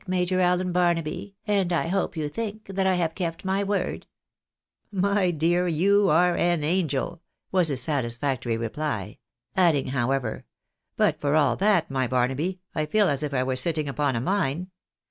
Major Allen Barnaby, and I hope you think that I have kept my word ?" "My dear, you are an angel," was his satisfactory reply; adding, however, " but for all that, my Barnaby, I feel as if we were sitting upon a mine.